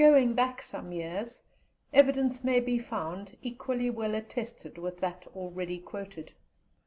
Going back some years, evidence may be found, equally well attested with that already quoted.